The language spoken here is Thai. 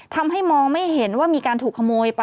ทำให้มองไม่เห็นว่ามีการถูกขโมยไป